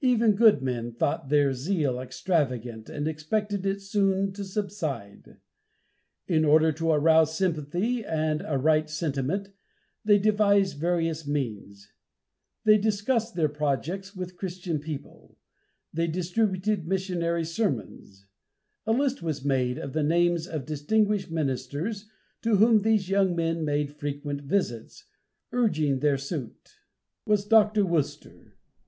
Even good men thought their zeal extravagant and expected it soon to subside. In order to arouse sympathy and a right sentiment, they devised various means. They discussed their projects with Christian people. They distributed missionary sermons. A list was made of the names of distinguished ministers, to whom these young men made frequent visits, urging their suit. Among them, the first to take fire, was Dr. Worcester.